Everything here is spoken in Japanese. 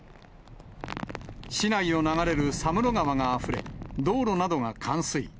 市内を流れる佐室川があふれ、道路などが冠水。